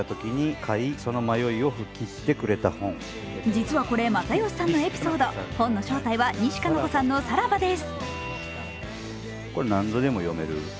実はこれ、又吉さんのエピソード本の正体は西加奈子さんの「サラバ！」です。